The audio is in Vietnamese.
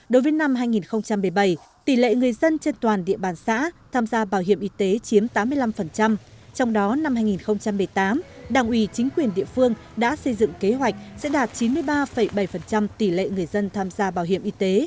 đối với năm hai nghìn một mươi bảy tỷ lệ người dân trên toàn địa bàn xã tham gia bảo hiểm y tế chiếm tám mươi năm trong đó năm hai nghìn một mươi tám đảng ủy chính quyền địa phương đã xây dựng kế hoạch sẽ đạt chín mươi ba bảy tỷ lệ người dân tham gia bảo hiểm y tế